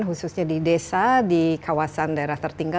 khususnya di desa di kawasan daerah tertinggal